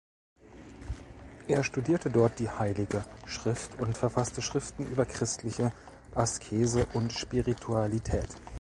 Er studierte dort die Heilige Schrift und verfasste Schriften über christliche Askese und Spiritualität.